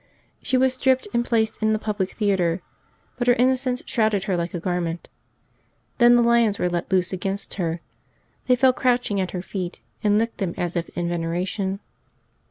She was stripped and placed in the public theatre ; but her innocence shrouded her like a garment. Then the lions were let loose against her ; they fell crouching at her feet, and licked them as if in veneration.